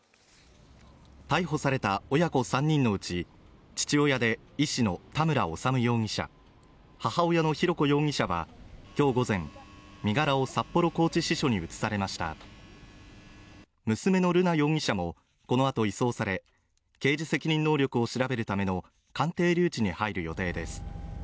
逮捕された親子３人のうち父親で医師の田村修容疑者母親の浩子容疑者は今日午前身柄を札幌拘置支所に移されました娘の瑠奈容疑者もこのあと移送され刑事責任能力を調べるための鑑定留置に入る予定です